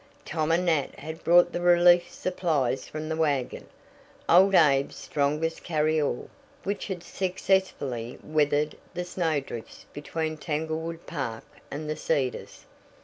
Tom and Nat had brought the relief supplies from the wagon old Abe's strongest carry all which had successfully weathered the snowdrifts between Tanglewood Park and The Cedars.